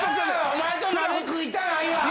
お前と鍋食いたないわ！